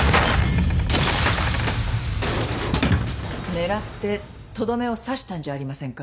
狙ってとどめを刺したんじゃありませんか？